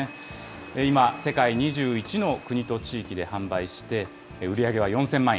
今、世界２１の国と地域で販売して、売り上げは４０００万円。